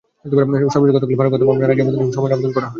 সর্বশেষ গতকাল ফারুক হত্যা মামলায় নারাজি আবেদন দিতে সময়ের আবেদন করা হয়।